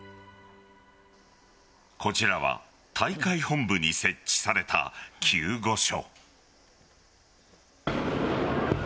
こちらは大会本部に設置された救護所。